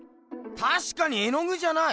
たしかに絵の具じゃない！